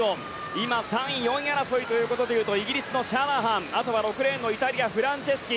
今３位、４位争いで言うとイギリスのシャナハンあとは６レーンのイタリアのフランチェスキ。